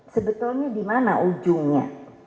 sebetulnya di mana ujungnya